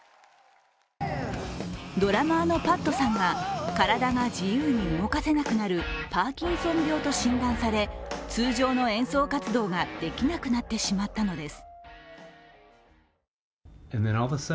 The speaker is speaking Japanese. ドラマーのパットさんが体が自由に動かせなくなるパーキンソン病と診断され、通常の演奏活動ができなくなってしまったのです。